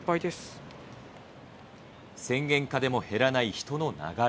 宣言下でも減らない人の流れ。